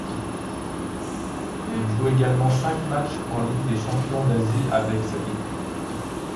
Il joue également cinq matchs en Ligue des champions d'Asie avec cette équipe.